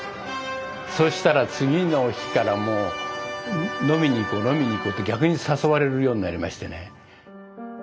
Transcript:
そしたら次の日からもう飲みに行こう飲みに行こうって逆に誘われるようになりましてね。